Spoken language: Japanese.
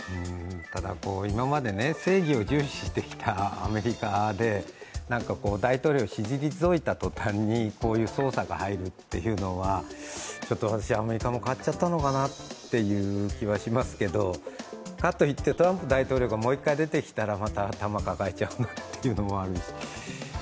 ただ、今まで正義を重視してきたアメリカで大統領を退いたとたんにこういう捜査が入るというのは私はアメリカも変わっちゃったのかなっていう気はしますけどかといって、トランプ大統領がもう一回出てきたら、また頭、抱えちゃうなというのもあるし。